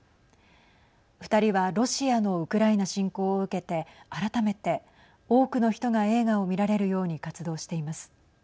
２人は、ロシアのウクライナ侵攻を受けて改めて、多くの人が映画を見られるように活動しています。